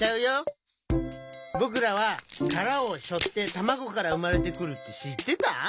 ぼくらはからをしょってたまごからうまれてくるってしってた？